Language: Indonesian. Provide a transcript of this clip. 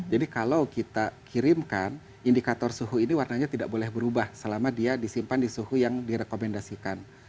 jadi kalau kita kirimkan indikator suhu ini warnanya tidak boleh berubah selama dia disimpan di suhu yang direkomendasikan